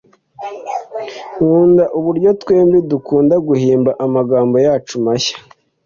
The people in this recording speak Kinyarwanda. nkunda uburyo twembi dukunda guhimba amagambo yacu mashya.